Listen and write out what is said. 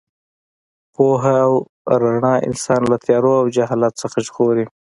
پوهه او رڼا انسان له تیارو او جهالت څخه ژغوري.